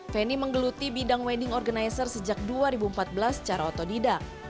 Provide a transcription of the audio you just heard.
feni menggeluti bidang wedding organizer sejak dua ribu empat belas secara otodidak